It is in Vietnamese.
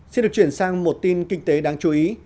xin được chuyển sang một tin kinh tế đáng chú ý